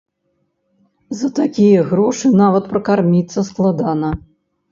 За такія грошы нават пракарміцца складана.